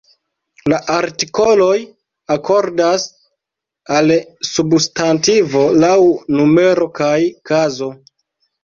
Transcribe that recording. La artikoloj akordas al substantivo laŭ numero kaj kazo.